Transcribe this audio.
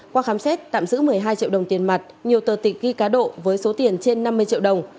qua khám xét tạm giữ một mươi hai triệu đồng tiền mặt nhiều tờ tịch ghi cá độ với số tiền trên năm mươi triệu đồng